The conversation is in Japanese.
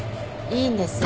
いいんです。